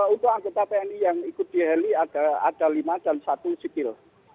untuk anggota tni yang ikut di heli ada lima dan satu skil